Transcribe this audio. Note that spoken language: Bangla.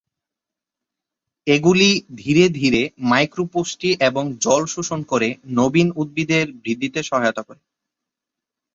এগুলি ধীরে ধীরে মাইক্রো পুষ্টি এবং জল শোষণ করে নবীন উদ্ভিদের বৃদ্ধিতে সহায়তা করে।